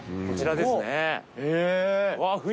こちらですねうわ